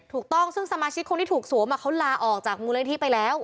ถูกต้องซึ่งสมาชิกคนที่ถูกสวมเอามาเขาราออกจากมูลเร็งที่ไปแล้ว